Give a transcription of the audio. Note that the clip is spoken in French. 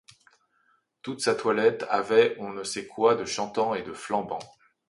Toute sa toilette avait on ne sait quoi de chantant et de flambant.